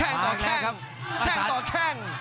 โอ้โหครับแค่งต่อแค่งแค่งต่อแค่ง